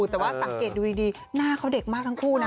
แต่ว่าสังเกตดูดีหน้าเขาเด็กมากทั้งคู่นะ